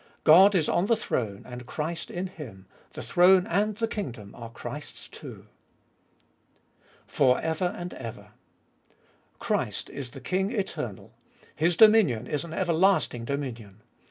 God is on the throne and Christ in Him : the throne and the kingdom are Christ's too. For ever and ever. Christ is the King eternal. His dominion is an everlasting dominion.